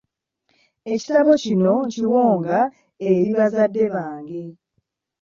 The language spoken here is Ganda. Ekitabo kino nkiwonga eri bazadde bange.